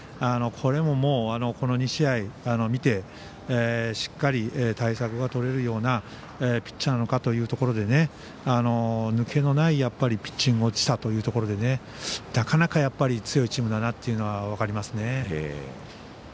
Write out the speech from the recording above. これもこの２試合、見てしっかり対策がとれるようなピッチャーだというところで抜けのないピッチングをしたというところでなかなか強いチームだなというのが分かりますね。